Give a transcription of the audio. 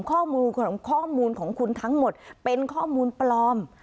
ข้อมูลของคุณทั้งหมดเป็นข้อมูลปลอม